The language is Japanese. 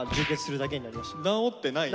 治ってないね。